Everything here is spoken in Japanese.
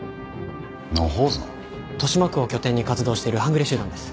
豊島区を拠点に活動してる半グレ集団です。